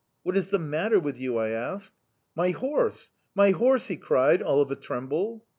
"'What is the matter with you?' I asked. "'My horse!... My horse!' he cried, all of a tremble.